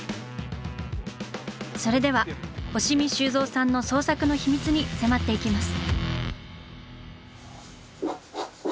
それでは押見修造さんの創作の秘密に迫っていきます。